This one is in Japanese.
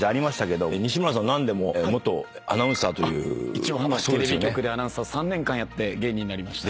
一応テレビ局でアナウンサー３年間やって芸人になりました。